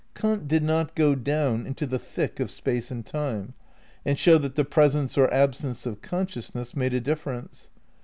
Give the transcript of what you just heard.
Kant did not go down into the thick of Space and Time and show that the presence or absence of consciousness made a difference.